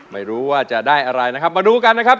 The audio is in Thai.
ไม่รู้ว่าจะได้อะไรนะครับ